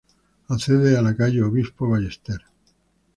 Accede a la Calle Obispo Ballester.